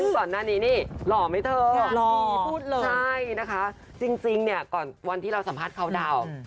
ใช่นะคะจริงเนี่ยก่อนวันที่เราสัมภาษณ์เข้าดาวน์